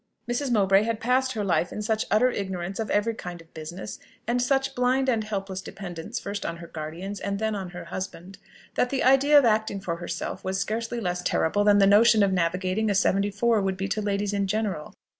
Mrs. Mowbray had passed her life in such utter ignorance of every kind of business, and such blind and helpless dependence, first on her guardians, and then on her husband, that the idea of acting for herself was scarcely less terrible than the notion of navigating a seventy four would be to ladies in general.